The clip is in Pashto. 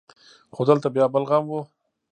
خو دلته بيا بل غم و.